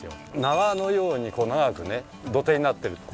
縄のように長くね土手になってる。